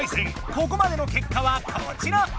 ここまでの結果はこちら。